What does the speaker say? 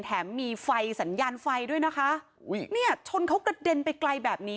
แถมมีไฟสัญญาณไฟด้วยนะคะอุ้ยเนี่ยชนเขากระเด็นไปไกลแบบนี้